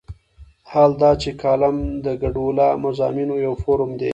حال دا چې کالم د ګډوله مضامینو یو فورم دی.